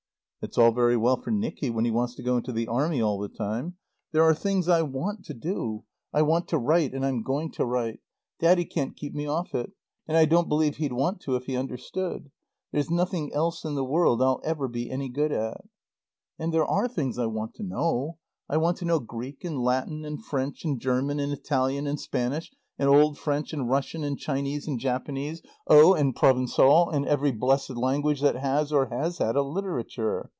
It's all very well for Nicky when he wants to go into the Army all the time. There are things I want to do. I want to write and I'm going to write. Daddy can't keep me off it. And I don't believe he'd want to if he understood. There's nothing else in the world I'll ever be any good at. And there are things I want to know. I want to know Greek and Latin and French and German and Italian and Spanish, and Old French and Russian and Chinese and Japanese, oh, and Provençal, and every blessed language that has or has had a literature.